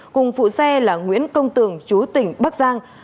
cùng phụ xe là nguyễn công tường chú tỉnh bắc giang